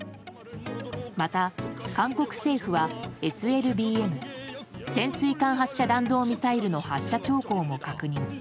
また韓国政府はＳＬＢＭ・潜水艦発射弾道ミサイルの発射兆候も確認。